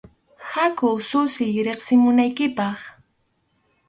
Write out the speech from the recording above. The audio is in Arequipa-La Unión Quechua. Haku ususiy riqsimunaykipaq.